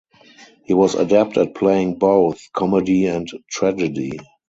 He was adept at playing both comedy and tragedy.